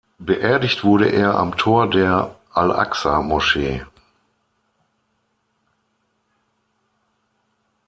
Beerdigt wurde er am Tor der Al-Aqsa-Moschee.